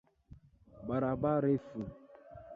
Barabara refu.